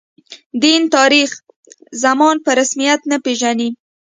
دین، تاریخي زمان په رسمیت نه پېژني.